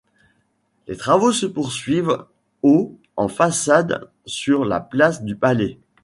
Les travaux se poursuivent au en façade sur la place du Palais.